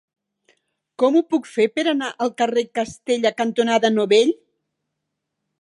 Com ho puc fer per anar al carrer Castella cantonada Novell?